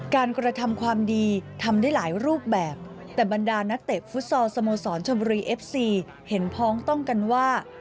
การกระทำความดีทำได้หลายรูปแบบแต่บรรดานักเตะฟุตซอลสโมสรชมบุรีเอฟซีเห็นพ้องต้องกันว่า